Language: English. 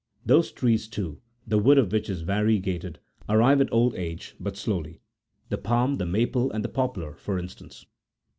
Those trees, too, the wood of which is variegated, arrive at old age but slowly, — the palm, the maple, and the poplar, for instance.